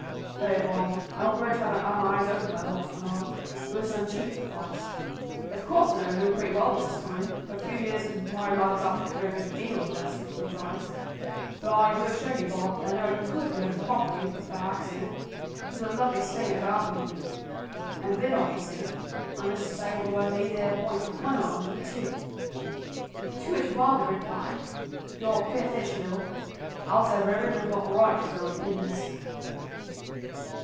No, Bob, I don't grudge havin' had my eyes opened by the loss of an arm; it was done cheap at the price. Of course I know Loo pretty well by this time, for a few years of married life is apt to clear a good deal of dust out of one's eyes, but I do assure you, Bob, that I never could have know'd her properly but for that accident, which was the luckiest thing that ever happened to me; an' then, don't 'ee see, I'm just as able to work these there points with one arm as with two." To which Bob would reply, "You're a queer fish, Bill; howsever, every man's got a right to his own opinions."